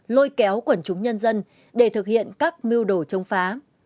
lôi kéo quần chúng nhân dân để thực hiện các mưu đồ chống phá